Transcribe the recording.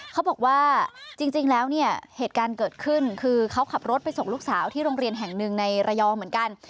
เขาบอกว่าจริงแล้วเนี่ยเหตุการณ์เกิดขึ้นคือเขาขับรถไปส่งลูกสาวที่โรงเรียนแห่งหนึ่งในระยองเหมือนกัน